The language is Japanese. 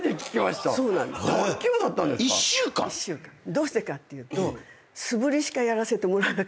どうしてかっていうと素振りしかやらせてもらえなかったんですよ。